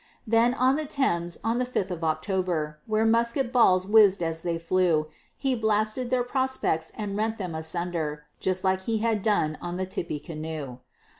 And then on the Thames, on the fifth of October, Where musket balls whizz'd as they flew; He blasted their prospects, and rent them asunder, Just like he had done on the Tippecanoe.